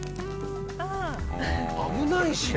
危ないしね。